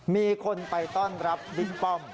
มีคนไปต้อนรับบิ๊กป้อม